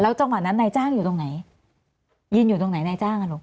จังหวะนั้นนายจ้างอยู่ตรงไหนยืนอยู่ตรงไหนนายจ้างอ่ะลูก